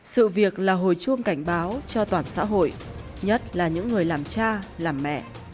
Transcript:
sự việc là hồi chuông cảnh báo cho toàn xã hội nhất là những người làm cha làm mẹ